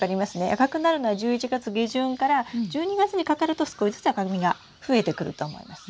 赤くなるのは１１月下旬から１２月にかかると少しずつ赤みが増えてくると思います。